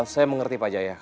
saya mengerti pak jaya